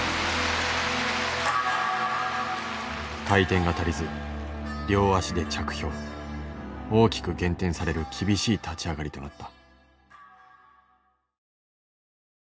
回転が足りず両足で着氷。大きく減点される厳しい立ち上がりとなった。